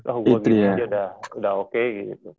oh gue gini aja udah oke gitu